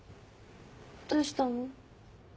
どうしたの？